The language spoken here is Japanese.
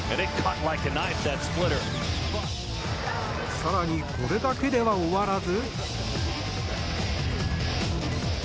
更にこれだけでは終わらず。